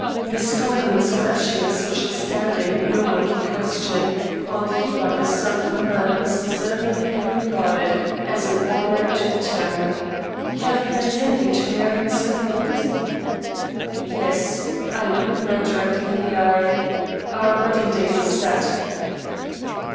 Miss Cumberland's virtue and social standing no one can question, while you are the son of a man who has deservedly been regarded as an honour to the town. You have been intending to marry Miss Cumberland?" "Yes." I looked the man directly in the eye. "Our wedding day was set."